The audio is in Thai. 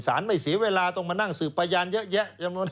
สารไม่เสียเวลาต้องมานั่งสื่อประยันเยอะแยะ